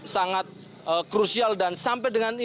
sangat krusial dan sampai dengan